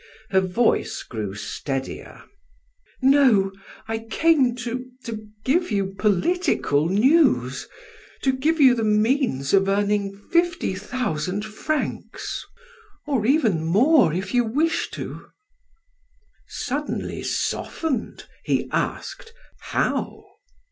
Her voice grew steadier: "No, I came to to give you political news to give you the means of earning fifty thousand francs or even more if you wish to." Suddenly softened he asked: "How?"